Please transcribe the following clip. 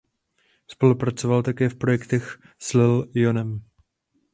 Spolupracoval také v projektech s Lil Jonem.